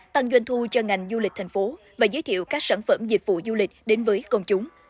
tăng doanh thu cho ngành du lịch tp hcm và giới thiệu các sản phẩm dịch vụ du lịch đến với con chúng